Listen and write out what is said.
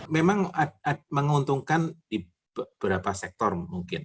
memang menguntungkan di beberapa sektor mungkin